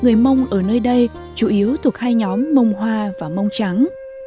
người mông ở nơi đây chủ yếu thuộc hai nhóm mông hoa và mông trắng